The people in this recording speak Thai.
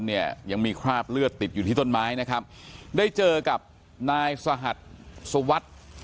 เนี่ยยังมีคราบเลือดติดอยู่ที่ต้นไม้นะครับได้เจอกับนายสหัสสวัสดิ์